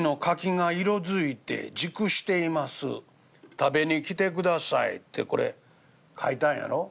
食べに来て下さい』ってこれ書いたんやろ？」。